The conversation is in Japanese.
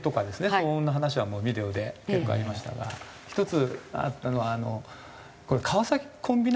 騒音の話はビデオで結構ありましたが１つあったのは。